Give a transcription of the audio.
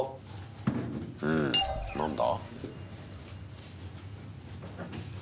うん。何だ？